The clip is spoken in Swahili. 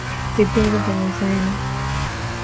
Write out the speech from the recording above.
Vipimo vya mizani